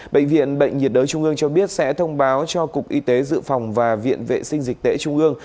bệnh viện bệnh nhiệt đới trung ương cho biết sẽ thông báo cho cục y tế dự phòng và viện vệ sinh dịch tễ trung ương